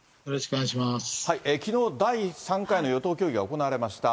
きのう、第３回の与野党協議が行われました。